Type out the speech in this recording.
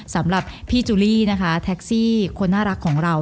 สำหรับพี่จูลี่นะคะแท็กซี่คนน่ารักของเรา